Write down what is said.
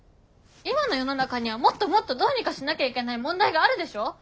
今の世の中にはもっともっとどうにかしなきゃいけない問題があるでしょ！